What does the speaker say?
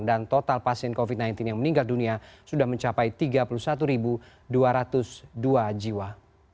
dan total pasien covid sembilan belas yang meninggal dunia sudah mencapai tiga puluh satu dua ratus dua jiwa